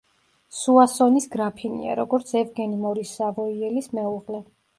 სუასონის გრაფინია როგორც ევგენი მორის სავოიელის მეუღლე.